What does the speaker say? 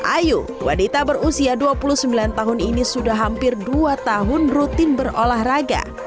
ayu wanita berusia dua puluh sembilan tahun ini sudah hampir dua tahun rutin berolahraga